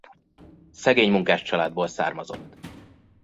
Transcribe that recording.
Szegény munkáscsaládból származott.